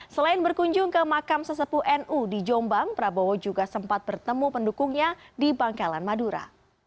selain berkunjung ke makam sesepu nu di jombang prabowo juga sempat bertemu pendukungnya di bangkalan madura